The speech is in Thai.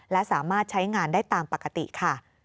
และสามารถใช้งานได้ตามปกติค่ะ